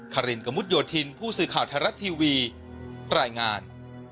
คารินกมุทยศิลป์ผู้สื่อข่าวทรัศน์ทีวีตรายงาน